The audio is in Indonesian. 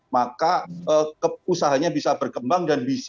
maka usahanya bisa berkembang dan bisa